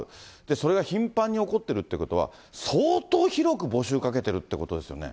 それが頻繁に起こってるっていうことは、相当広く募集かけてるっていうことですよね。